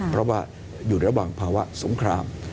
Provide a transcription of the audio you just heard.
เพราะว่าอยู่ระหว่างภาวะสงคราม